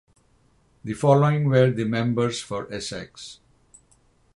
The following were the members for Essex.